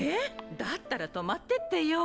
だったら泊まってってよ。